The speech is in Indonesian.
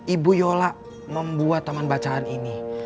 ibu yola membuat taman bacaan ini